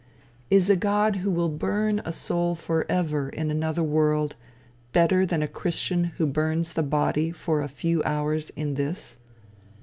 Is a god who will burn a soul forever in another world, better than a christian who burns the body for a few hours in this?